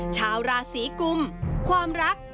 ชาวราศีกุมความรัก